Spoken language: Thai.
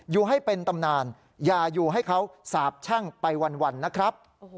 อยู่ให้เป็นตำนานอย่าอยู่ให้เขาสาบแช่งไปวันนะครับ